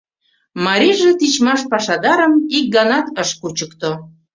Марийже тичмаш пашадарым ик ганат ыш кучыкто.